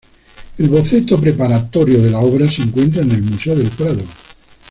El boceto preparatorio de la obra se encuentra en el Museo del Prado.